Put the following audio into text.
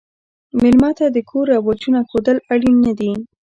مېلمه ته د کور رواجونه ښودل اړین نه دي.